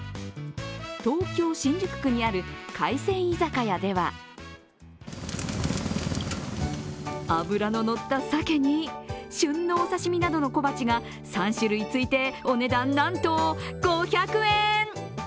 東京・新宿区にある海鮮居酒屋では脂ののった鮭に旬のお刺身などの小鉢が３種類ついて、お値段なんと５００円。